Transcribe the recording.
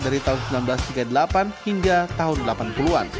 dari tahun seribu sembilan ratus tiga puluh delapan hingga tahun delapan puluh an